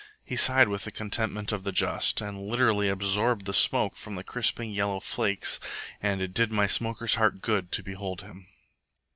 He sighed with the contentment of the just, and literally absorbed the smoke from the crisping yellow flakes, and it did my smoker's heart good to behold him.